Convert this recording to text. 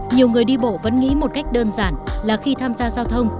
nhiều người đi bộ vẫn nghĩ một cách đơn giản là khi tham gia giao thông